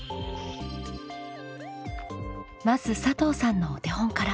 まず佐藤さんのお手本から。